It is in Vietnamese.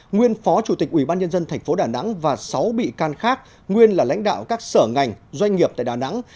nguyên phó chủ tịch ubnd tp đà nẵng và sáu bị can khác nguyên là lãnh đạo các sở ngành doanh nghiệp tại đà nẵng